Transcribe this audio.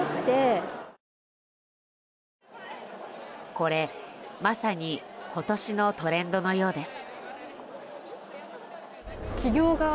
これ、まさに今年のトレンドのようです。